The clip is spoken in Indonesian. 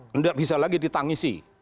tidak bisa lagi ditangisi